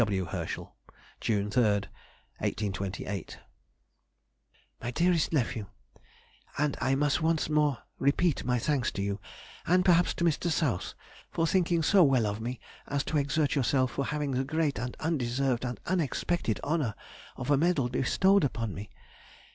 F. W. HERSCHEL. June 3, 1828. MY DEAREST NEPHEW,— And I must once more repeat my thanks to you (and perhaps to Mr. South) for thinking so well of me as to exert yourselves for having the great and undeserved and unexpected honour of a medal bestowed on me....